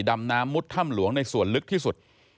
ดำน้ำมุดถ้ำหลวงในส่วนลึกที่สุด